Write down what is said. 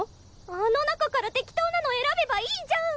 あの中から適当なの選べばいいじゃん。